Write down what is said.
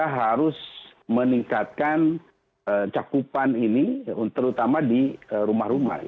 kita harus meningkatkan cakupan ini terutama di rumah rumah